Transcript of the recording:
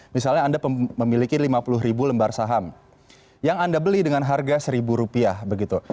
misalnya anda memiliki lima puluh ribu lembar saham yang anda beli dengan harga seribu rupiah begitu